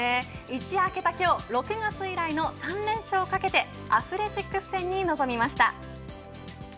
一夜明けた今日６月以来の３連勝を懸けてアスレチックス戦に臨みました。